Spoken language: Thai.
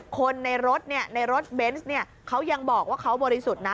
คนในรถในรถเบนส์เขายังบอกว่าเขาบริสุทธิ์นะ